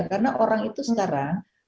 karena orang itu sekarang